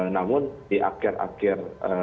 namun di akhir akhir